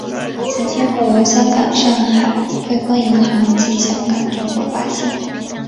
曾先后由香港上海汇丰银行及香港政府发行。